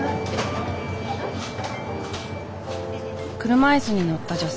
車椅子に乗った女性。